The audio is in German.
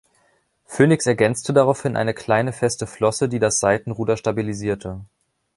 Phönix ergänzte daraufhin eine kleine feste Flosse, die das Seitenruder stabilisierte.